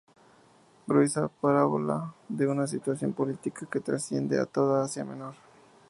Gruesa parábola de una situación política que trasciende a toda Asia Menor.